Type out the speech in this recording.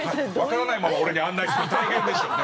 わからないまま俺に案内するの大変ですよね。